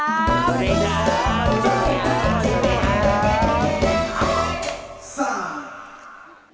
สวัสดีครับ